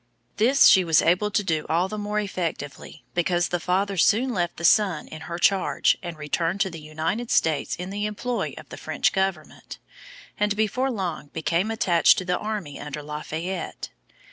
This she was able to do all the more effectively because the father soon left the son in her charge and returned to the United States in the employ of the French government, and before long became attached to the army under La Fayette.